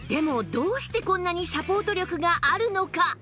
どうしてこんなにサポート力があるのか？